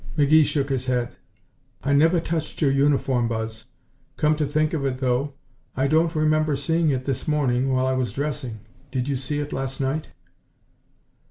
McGee shook his head. "I never touched your uniform, Buzz. Come to think of it, though, I don't remember seeing it this morning while I was dressing. Did you see it last night?"